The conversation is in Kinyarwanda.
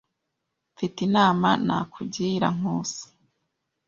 Mfite inama nakugira, Nkusi.